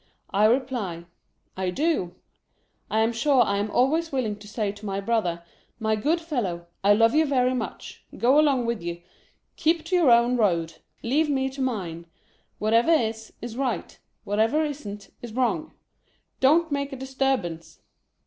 I reply, " I do." I am sure I am always willing to say to my brother, "My good fellow, I love you very much; go along with you; keep to your own road; leave me to mine; whatever 248 LIVELY TURTLE. is, is right; whatever isn't, is wrong; don't make a dis turbance!"